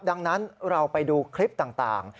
ดังนั้นเราไปดูคลิปต่าง